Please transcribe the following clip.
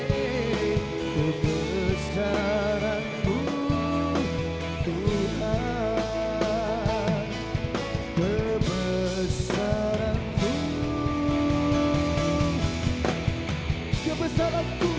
bekerja di layar beberapa sekolah